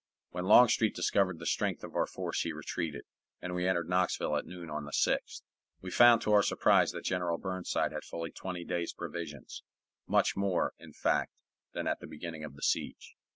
When Longstreet discovered the strength of our force he retreated, and we entered Knoxville at noon on the 6th. We found to our surprise that General Burnside had fully twenty days' provisions much more, in fact, than at the beginning of the siege.